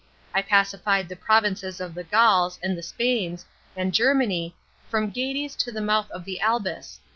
I pacified the provinces of the Gauls and the Spains, and Germany, from Gades to the mouth of the Albis.